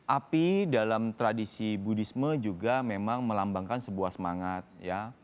api dalam tradisi budisme juga memang melambangkan sebuah semangat ya